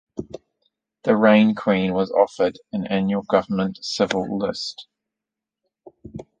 The Rain Queen was offered an annual government civil list.